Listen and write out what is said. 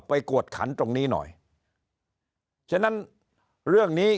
กวดขันตรงนี้หน่อยฉะนั้นเรื่องนี้